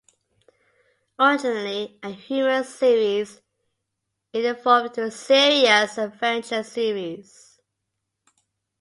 Originally a humor series, it evolved into a serious adventure series.